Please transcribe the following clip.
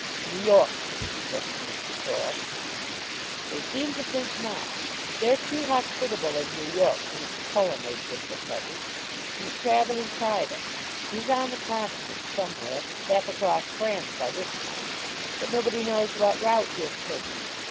"New York," suggested Mr. Croll. "They seem to think not. They're too hospitable in New York for Mr. Cohenlupe just at present. He's travelling private. He's on the continent somewhere, half across France by this time; but nobody knows what route he has taken.